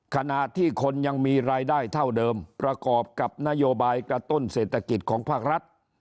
ขณะที่คนยังมีรายได้เท่าเดิมประกอบกับนโยบายกระตุ้นเศรษฐกิจของภาครัฐ